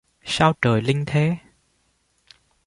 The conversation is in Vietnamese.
Sao trời linh thế!